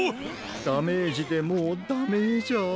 ダメージでもうダメージャ。